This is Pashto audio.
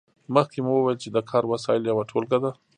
مخکې مو وویل چې د کار وسایل یوه ټولګه ده.